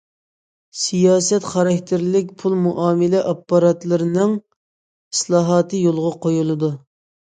سىياسەت خاراكتېرلىك پۇل مۇئامىلە ئاپپاراتلىرىنىڭ ئىسلاھاتى يولغا قويۇلىدۇ.